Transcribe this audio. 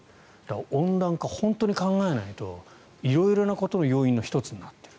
温暖化、本当に考えないと色々なことの要因の１つになっている。